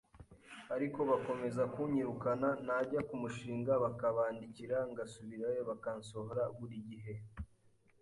ariko bakomeza kunyirukana najya ku mushinga bakabandikira ngasubirayo bakansohora buri gihe